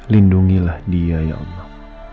lindungilah dia ya allah